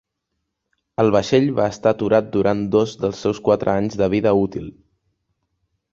El vaixell va estar aturat durant dos dels seus quatre anys de vida útil.